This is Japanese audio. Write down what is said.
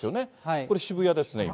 これ、渋谷ですね、今。